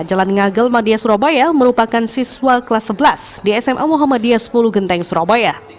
jalan ngagel madia surabaya merupakan siswa kelas sebelas di sma muhammadiyah sepuluh genteng surabaya